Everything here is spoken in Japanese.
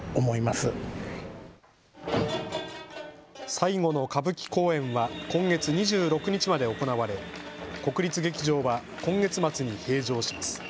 最後の歌舞伎公演は今月２６日まで行われ国立劇場は今月末に閉場します。